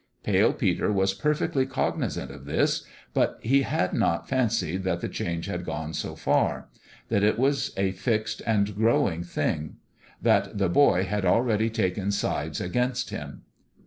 Pale Peter was perfectly cognizant of this ; but he had not fancied that the change had gone so far that it was a fixed and growing thing that the boy had already taken sides against him.